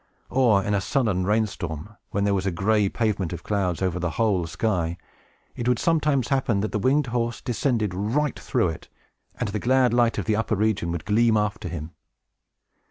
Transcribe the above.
Or, in a sullen rain storm, when there was a gray pavement of clouds over the whole sky, it would sometimes happen that the winged horse descended right through it, and the glad light of the upper region would gleam after him.